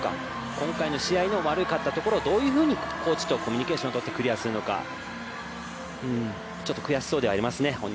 今回の試合の悪かったところをどういうふうにコーチとコミュニケーションをとって、クリアするのかちょっと悔しそうではありますね。